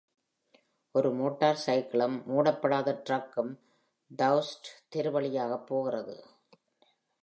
ஒரு மோட்டார்சைக்கிளும் மூடப்படாத டிரக்கும் டெஸர்ட் தெரு வழியாகப் போகிறது.